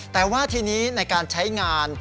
แต่ว่าทีนี้ในการใช้งาน